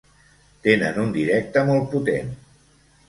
Tenen un directe molt potent.